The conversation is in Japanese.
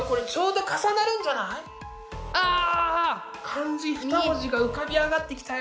漢字２文字が浮かび上がってきたよ。